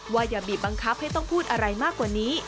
อย่าบีบบังคับให้ต้องพูดอะไรมากกว่านี้